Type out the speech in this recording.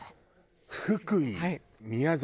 福井宮崎